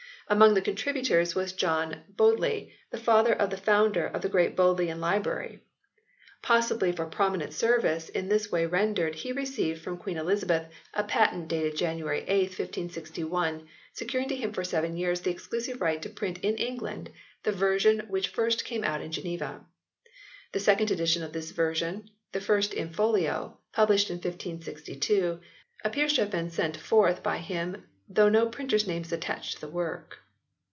Among the contributors was John Bodley the father of the founder of the great Bodleian Library. Possibly for prominent service in this way rendered he received from Queen Elizabeth a patent dated January 8, 1561, securing to him for seven years the exclusive right to print in England the version which first came out in Geneva. The second edition of this version, the first in folio, published in 1562, appears to have been sent forth by him though no printer s name is attached to the work.